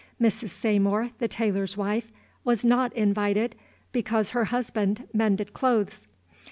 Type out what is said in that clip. Mrs. Saymore, the tailor's wife, was not invited, because her husband mended clothes.